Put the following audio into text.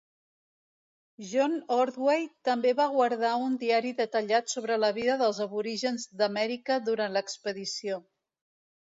John Ordway també va guardar un diari detallat sobre la vida dels aborígens d'Amèrica durant l'expedició.